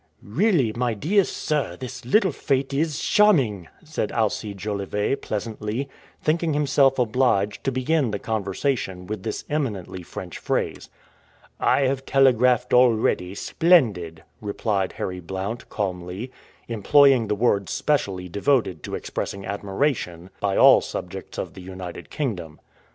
"Really, my dear sir, this little fête is charming!" said Alcide Jolivet pleasantly, thinking himself obliged to begin the conversation with this eminently French phrase. "I have telegraphed already, 'splendid!'" replied Harry Blount calmly, employing the word specially devoted to expressing admiration by all subjects of the United Kingdom.